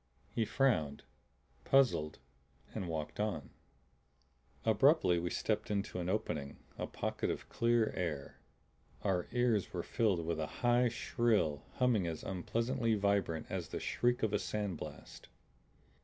He frowned, puzzled, and walked on. Abruptly we stepped into an opening, a pocket of clear air. Our ears were filled with a high, shrill humming as unpleasantly vibrant as the shriek of a sand blast.